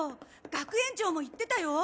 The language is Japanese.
学園長も言ってたよ